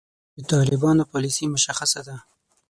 د طالبانو پالیسي مشخصه ده.